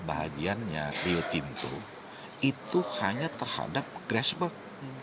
bahagiannya riotim itu hanya terhadap grassberg